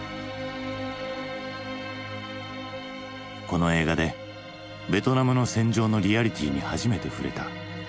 この映画でベトナムの戦場のリアリティーに初めてふれた。